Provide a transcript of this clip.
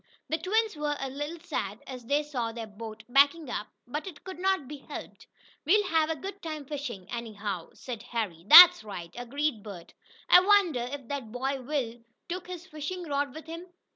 The twins were a little sad as they saw their boat backing up, but it could not be helped. "We'll have a good time fishing, anyhow," said Harry. "That's right," agreed Bert. "I wonder if that boy Will took his fishing rod with him?